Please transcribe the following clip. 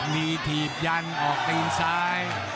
มีถีบยันออกตีนซ้าย